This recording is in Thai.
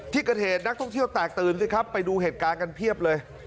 ที่เกิดเหตุนักท่องเที่ยวแตกตื่นสิครับไปดูเหตุการณ์กันเพียบเลย